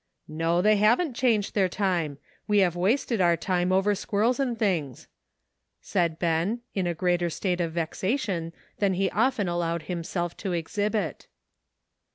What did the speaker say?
*"• No, they haven't changed their time. We have wasted our time over squirrels and things," said Ben, in a greater state of vexation than he often allowed himself to exhibit.